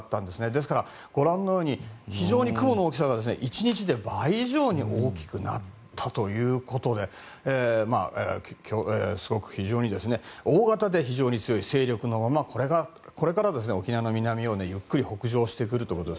ですから、非常に雲の大きさが１日で倍以上に大きくなったということで大型で非常に強い勢力のままこれから沖縄の南をゆっくり北上してきます。